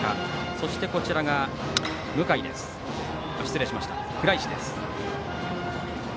そして、こちらが倉石です。